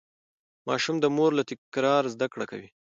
ماشوم د مور له تکرار زده کړه کوي.